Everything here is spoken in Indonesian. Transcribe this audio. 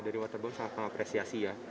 dari waterbound sangat mengapresiasi ya